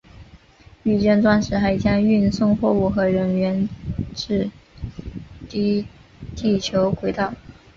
王剑钻石还将运送货物和人员至低地球轨道。